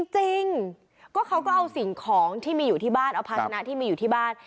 จริงเขาก็เอาสิ่งของที่มีอยู่ที่บ้านเอาภาษณะที่มีอยู่ที่บ้าน